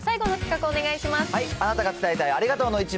あなたが伝えたいありがとうの１枚。